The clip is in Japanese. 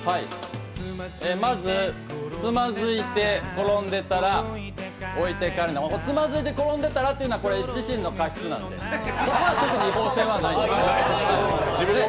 まず、躓いて転んでたら置いてかれる躓いて転んでたらというのは自身の過失なのでここは特に違法性はないんです。